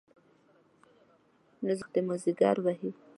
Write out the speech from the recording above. نو زما نصيب دې گراني وخت د ماځيگر ووهي~